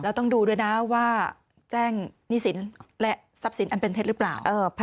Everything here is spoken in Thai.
แล้วต้องดูด้วยนะว่าแจ้งหนี้สินและทรัพย์สินอันเป็นเท็จหรือเปล่า